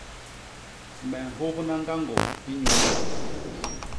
Me nhôbna ñgañgô inyuu nop.